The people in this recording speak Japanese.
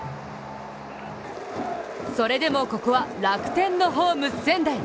それでも、ここは楽天のホーム・仙台。